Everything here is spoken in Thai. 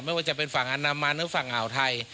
ไม่ว่าจะเป็นฝั่งอันดามันหรือฝั่งอ่าวไทย